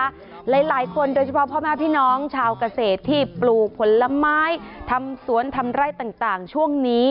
หลายคนโดยเฉพาะพ่อแม่พี่น้องชาวเกษตรที่ปลูกผลไม้ทำสวนทำไร่ต่างช่วงนี้